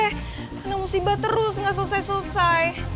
karena musibah terus gak selesai selesai